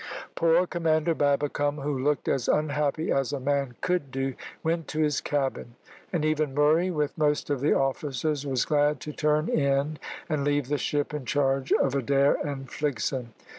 Poor Commander Babbicome, who looked as unhappy as a man could do, went to his cabin; and even Murray, with most of the officers, was glad to turn in and leave the ship in charge of Adair and Fligson.